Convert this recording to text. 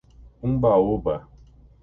Umbaúba